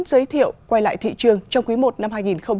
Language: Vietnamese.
giới thiệu quay lại thị trường trong quý i năm hai nghìn hai mươi bốn